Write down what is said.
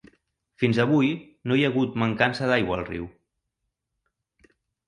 Fins avui, no hi ha hagut mancança d'aigua al riu.